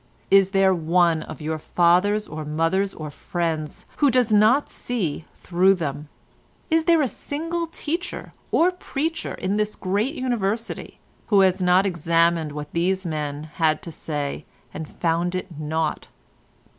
Is there one of your fathers or mothers or friends who does not see through them? Is there a single teacher or preacher in this great University who has not examined what these men had to say, and found it naught?